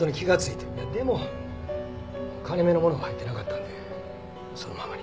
でも金目のものは入ってなかったんでそのままに。